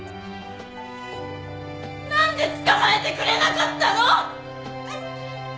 なんで捕まえてくれなかったの！？